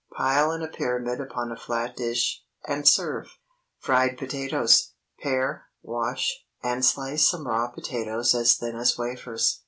Pile in a pyramid upon a flat dish, and serve. FRIED POTATOES. ✠ Pare, wash, and slice some raw potatoes as thin as wafers.